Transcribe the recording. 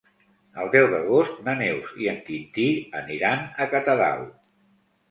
El deu d'agost na Neus i en Quintí aniran a Catadau.